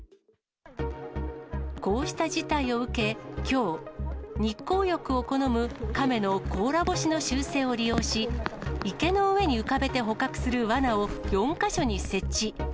こうした事態を受け、きょう、日光浴を好むカメの甲羅干しの習性を利用し、池の上に浮かべて捕獲するわなを４か所に設置。